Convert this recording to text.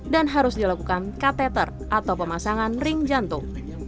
dan harus dilakukan katheter atau pemasangan ring jantung